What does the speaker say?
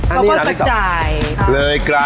อันนี้๓๔๓บาท